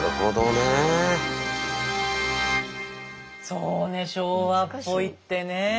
そうね昭和っぽいってね。